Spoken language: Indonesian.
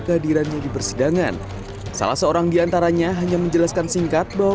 kehadirannya di persidangan salah seorang diantaranya hanya menjelaskan singkat bahwa